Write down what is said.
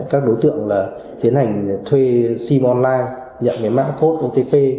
các đối tượng là tiến hành thuê sim online nhận cái mã code otp